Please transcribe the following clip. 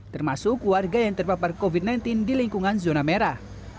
termasuk warga yang terpapar covid sembilan belas di lingkungan zona merah